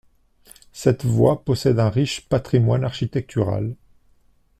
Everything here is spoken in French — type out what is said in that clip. Cette voie possède un riche patrimoine architectural.